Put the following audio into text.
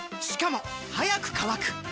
しかも速く乾く！